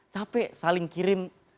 capek saling kirim